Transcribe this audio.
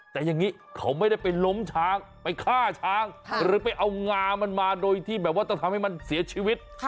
แต่อย่างนี้เขาไม่ได้ไปล้มช้างไปฆ่าช้างหรือไปเอางามันมาโดยที่แบบว่าต้องทำให้มันเสียชีวิต